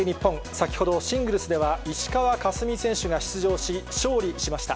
先ほど、シングルスでは石川佳純選手が出場し、勝利しました。